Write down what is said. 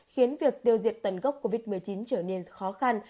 khiến việc tiêu diệt tần gốc covid một mươi chín trở nên khó khăn